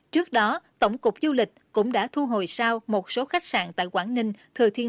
trước đó tổng cục du lịch cũng đã thu hồi sao một số khách sạn tại quảng ninh thừa thiên